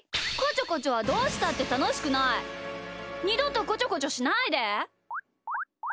こちょこちょはどうしたってたのしくない！にどとこちょこちょしないで！